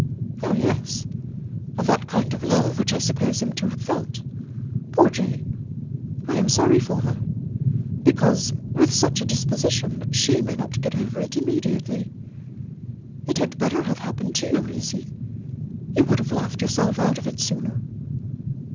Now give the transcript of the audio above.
"Oh, yes! of that kind of love which I suppose him to have felt. Poor Jane! I am sorry for her, because, with her disposition, she may not get over it immediately. It had better have happened to you, Lizzy; you would have laughed yourself out of it sooner.